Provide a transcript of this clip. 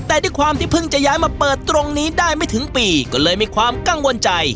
แต่ด้วยความที่เพิ่งจะย้ายมาเปิดตรงนี้ได้ไม่ถึงปีก็เลยมีความกังวลใจ